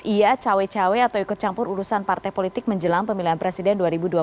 ia cawe cawe atau ikut campur urusan partai politik menjelang pemilihan presiden dua ribu dua puluh